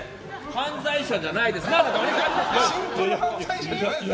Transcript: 犯罪者じゃないですよね。